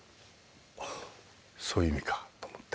そういう意味かと思って。